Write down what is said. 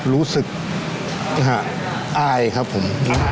รู้สึกอายครับผม